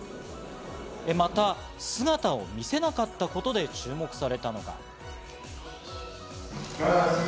また姿を見せなかったことで注目されたのが。